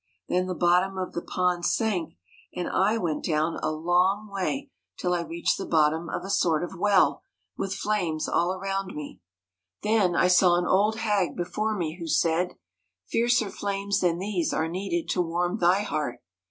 Then the bottom of the pond sank, and I went down a long 155 MIRANDA way till I reached the bottom of a sort of well, with flames all round me. 'Then I saw an old hag before me, who said, " Fiercer flames than these are needed to warm thy heart."